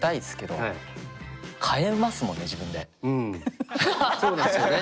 うんそうですよね。